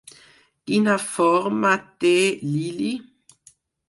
Quina forma té l'ili?